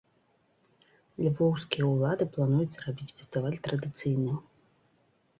Львоўскія ўлады плануюць зрабіць фестываль традыцыйным.